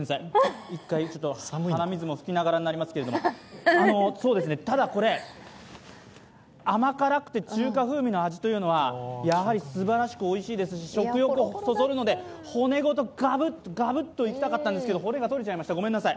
１回、鼻水も拭きながらになりますけどただ、これ、甘辛くて中華風味の味というのはやはりすばらしくおいしいですし食欲をそそるので骨ごとガブッといきたかったんですけど骨が取れちゃいましたごめんなさい。